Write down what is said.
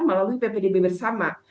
melalui pbdb bersama